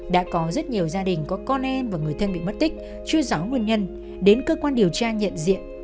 đã có rất nhiều gia đình có con em và người thân bị mất tích chưa rõ nguyên nhân đến cơ quan điều tra nhận diện